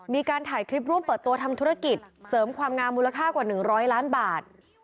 มีการถ่ายคลิปร่วมเปิดตัวทำธุรกิจเสริมความงามมูลค่ากว่า๑๐๐ล้านบาท